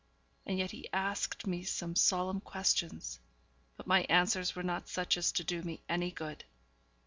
And yet he asked me some solemn questions; but my answers were not such as to do me any good.